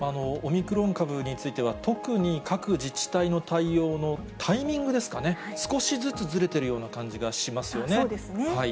オミクロン株については、特に各自治体の対応のタイミングですかね、少しずつずれてるような感じがしますよね。